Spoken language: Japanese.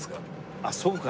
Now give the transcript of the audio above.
あっそうかな。